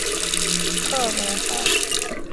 克罗塞。